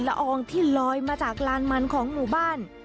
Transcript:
และฝุ่นละอองที่ลอยมาจากลานมันของหมู่บ้าน